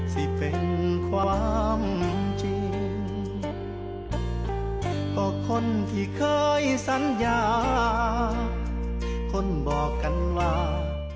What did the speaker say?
ที่เป็นความจริงก็คนที่เคยสัญญาคนบอกกันว่า